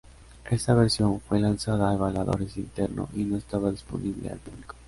Esta versión fue lanzada a evaluadores interno y no estaba disponible al público.